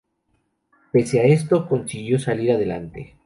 Pese a esto consiguió salir adelante.